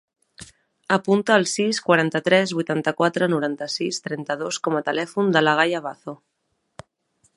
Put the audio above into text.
Apunta el sis, quaranta-tres, vuitanta-quatre, noranta-sis, trenta-dos com a telèfon de la Gaia Bazo.